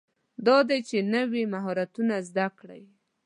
دا دی چې نوي مهارتونه زده کړئ.